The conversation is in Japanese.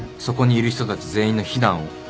そこにいる人たち全員の避難を。